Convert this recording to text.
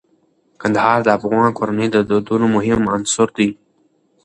کندهار د افغان کورنیو د دودونو مهم عنصر دی.